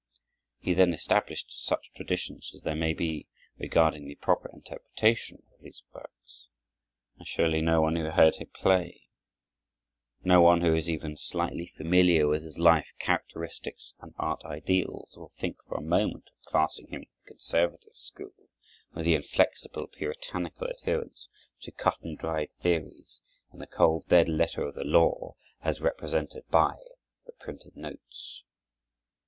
He then established such traditions as there may be regarding the proper interpretation of these works; and surely no one who heard him play, no one who is even slightly familiar with his life, characteristics, and art ideals, will think for a moment of classing him with the conservative school, with the inflexible, puritanical adherents to cut and dried theories and the cold dead letter of the law as represented by the printed notes.